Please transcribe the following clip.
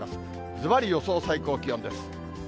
ずばり、予想最高気温です。